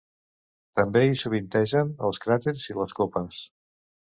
També hi sovintegen els craters i les copes.